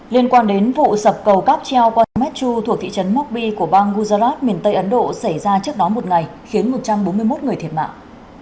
liên quan đến vụ sập cầu cáp treo qua metchu thuộc thị trấn mobi của bang guzarat miền tây ấn độ xảy ra trước đó một ngày khiến một trăm bốn mươi một người thiệt mạng